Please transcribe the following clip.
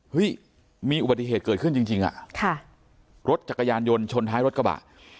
เฮ้ยมีอุบัติเหตุเกิดขึ้นจริงอ่ะค่ะรถจักรยานยนต์ชนท้ายรถกระบะ